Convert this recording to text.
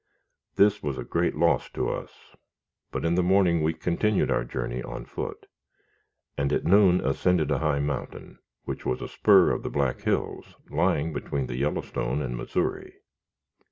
This was a great loss to us, but in the morning we continued our journey on foot, and at noon ascended a high mountain, which was a spur of the Black Hills, lying between the Yellowstone and Missouri.